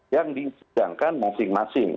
yang disedangkan masing masing